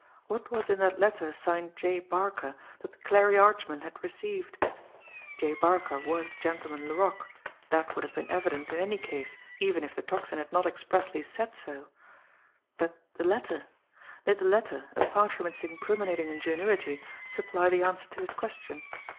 What was in that letter signed "J. Barca" that Clarie Archman had received? J. Barca was Gentleman Laroque; that would have been evident in any case, even if the Tocsin had not expressly said so but the letter! Did the letter, apart from its incriminating ingenuity, supply the answer to his question?